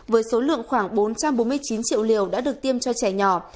với số lượng khoảng bốn trăm bốn mươi chín triệu liều đã được tiêm cho trẻ nhỏ